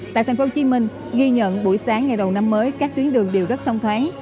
tại tp hcm ghi nhận buổi sáng ngày đầu năm mới các tuyến đường đều rất thông thoáng